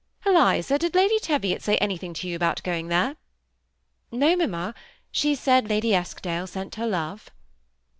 Klisa, did Lady Teyiot say anything to you aboat going there ?" "Noy mamma; she said Lady Eskdale sent her love."